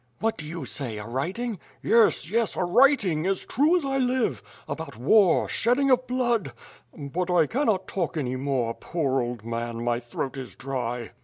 "What do you say, a writing?" "Yes, yes, a writing, as true as I live! About war, shed ding of blood. ... But I cannot talk any more, poor old man, my throat is dry."